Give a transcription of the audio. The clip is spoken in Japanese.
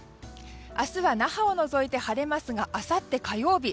明日は那覇を除いて晴れますがあさって火曜日